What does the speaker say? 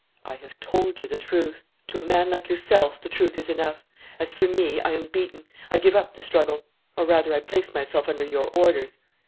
"I have told you the truth. To a man like yourself, the truth is enough. As for me, I am beaten. I give up the struggle, or, rather, I place myself under your orders.